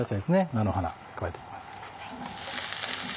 菜の花加えていきます。